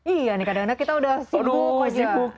iya nih kadang kadang kita sudah sibuk